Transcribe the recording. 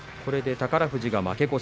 宝富士が負け越し。